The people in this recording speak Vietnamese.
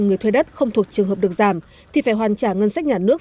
người thuê đất không thuộc trường hợp được giảm thì phải hoàn trả ngân sách nhà nước